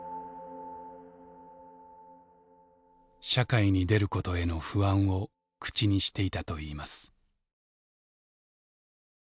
社会に出ることへの不安を口にしていたといいます。